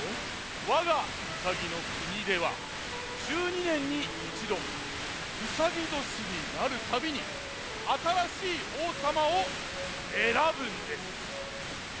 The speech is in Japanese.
わがウサギのくにでは１２ねんに１どうさぎどしになるたびにあたらしいおうさまをえらぶんです。